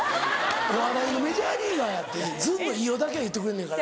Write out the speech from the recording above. お笑いのメジャーリーガーやってずんの飯尾だけが言ってくれんねんから。